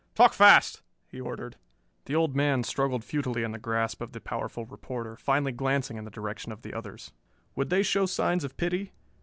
"Talk fast," he ordered. The old man struggled futilely in the grasp of the powerful reporter, finally glancing in the direction of the others. Would they show signs of pity?